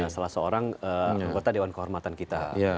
salah seorang anggota dewan kehormatan kita